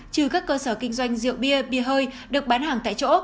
trừ các cơ sở kinh doanh rượu bia bia hơi được bán hàng tại chỗ